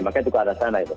makanya itu ke arah sana